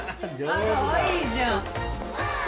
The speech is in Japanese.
かわいいじゃん。